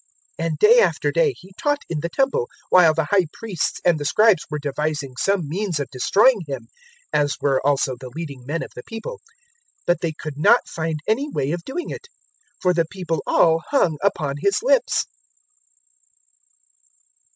019:047 And day after day He taught in the Temple, while the High Priests and the Scribes were devising some means of destroying Him, as were also the leading men of the people. 019:048 But they could not find any way of doing it, for the people all hung upon His lips.